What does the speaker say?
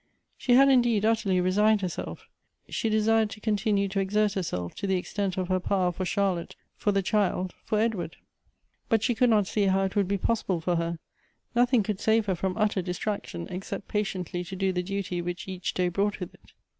She had indeed utterly resigned herself; she desired to continue to exert herself to the extent of her power for Charlotte, for the child, for Edward. But she could not see how it would be possible for her. Nothing could save her from utter distraction, except patiently to do the duty which each day brought with it.